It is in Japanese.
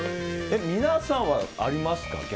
皆さんは、ありますか？